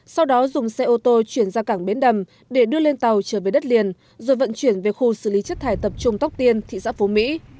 sau đó dùng xe ô tô chuyển ra cảng bến đầm để đưa lên tàu trở về đất liền rồi vận chuyển về khu xử lý chất thải tập trung tóc tiên thị xã phú mỹ